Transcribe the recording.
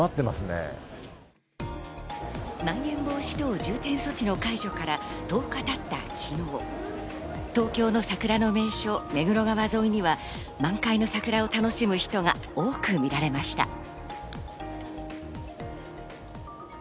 まん延防止等重点措置の解除から１０日経った昨日、東京の桜の名所・目黒川沿いには、満開の桜を楽しむ人が多く見られました。